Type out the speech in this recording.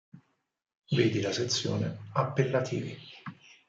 Vedi la sezione "Appellativi".